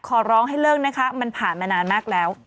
ขอร้องให้เลิกนะคะมันผ่านมานานมากแล้ว